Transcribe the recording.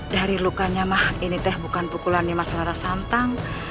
dari lukanya mah ini teh bukan pukulan nimas rara santang